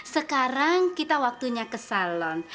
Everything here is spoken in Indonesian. sekarang kita waktunya ke salon